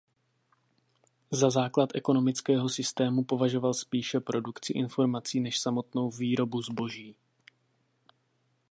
Za základ ekonomického systému považoval spíše produkci informací než samotnou výrobu zboží.